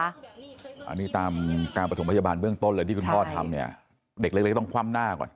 อันนี้ตามการประถมพยาบาลเบื้องต้นเลยที่คุณพ่อทำเนี่ยเด็กเล็กต้องคว่ำหน้าก่อน